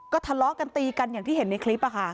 ทะเลาะกันตีกันอย่างที่เห็นในคลิป